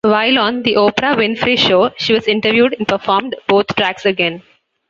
While on "The Oprah Winfrey Show", she was interviewed and performed both tracks again.